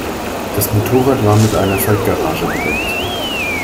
Das Motorrad war mit einer Faltgarage bedeckt.